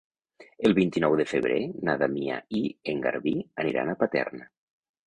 El vint-i-nou de febrer na Damià i en Garbí aniran a Paterna.